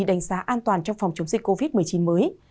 đánh giá an toàn trong phòng chống dịch covid một mươi chín mới